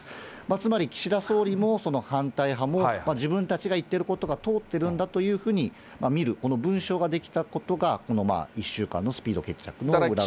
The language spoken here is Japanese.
つまり、岸田総理も反対派も、自分たちが言っていることが通ってるんだというふうに見る、この文書が出来たことが、この１週間のスピード決着の裏側にあったんではないかと。